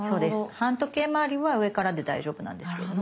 反時計まわりは上からで大丈夫なんですけれども。